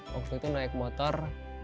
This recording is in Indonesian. waktu itu naik motor